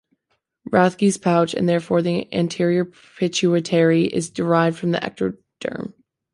Rathke's pouch, and therefore the anterior pituitary, is derived from ectoderm.